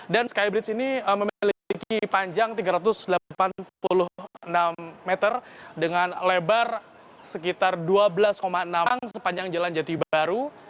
dan skybridge ini memiliki panjang tiga ratus delapan puluh enam meter dengan lebar sekitar dua belas enam meter sepanjang jalan jati baru